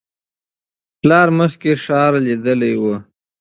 پلار مخکې ښار لیدلی و.